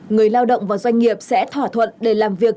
người lao động và doanh nghiệp sẽ thỏa thuận để làm việc